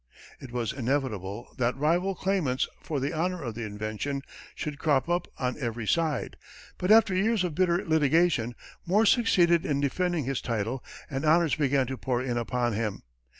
It was inevitable that rival claimants for the honor of the invention should crop up on every side, but, after years of bitter litigation, Morse succeeded in defending his title, and honors began to pour in upon him.